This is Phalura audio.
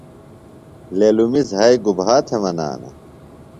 للمی زھائی گُبھا تھےۡ منانہ؟